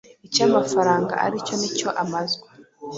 icyo amafaranga aricyo n’icyo amazwa.